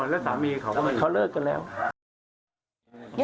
แล้วสามีเขา